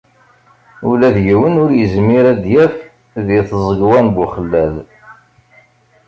Ula d yiwen ur izmir ad aγ-yaf di tẓegwa n Buxellad.